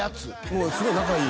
もうすごい仲いい？